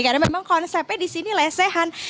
karena memang konsepnya disini lesehan